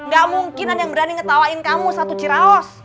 gak mungkin ada yang berani ngetawain kamu satu ciraos